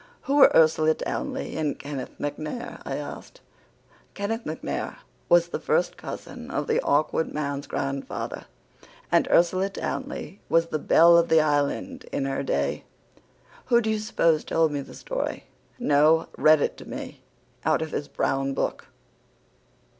"Who were Ursula Townley and Kenneth MacNair?" I asked. "Kenneth MacNair was a first cousin of the Awkward Man's grandfather, and Ursula Townley was the belle of the Island in her day. Who do you suppose told me the story no, read it to me, out of his brown book?"